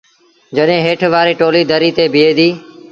جڏهيݩ هيٺ وآريٚ ٽوليٚ دريٚ تي بيٚهي ديٚ۔